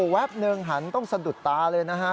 แป๊บนึงหันต้องสะดุดตาเลยนะฮะ